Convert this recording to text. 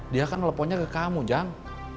dia kan meleponnya ke kamu jang